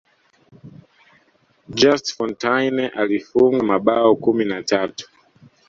just fontaine alifunga mabao kumi na tatu